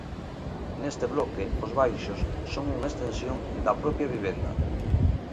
Neste bloque os baixos son unha extensión da propia vivenda.